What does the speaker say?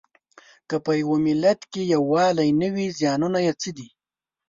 که په یوه ملت کې یووالی نه وي زیانونه یې څه دي؟